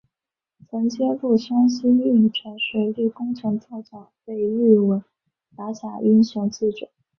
曾揭露山西运城水利工程造假被誉为打假英雄记者。